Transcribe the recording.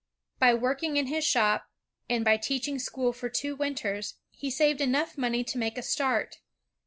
By working in his shop, and by teaching school for two winters, he saved enough money to make a start.